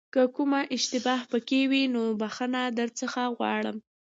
که کومه اشتباه پکې وي نو بښنه درڅخه غواړم.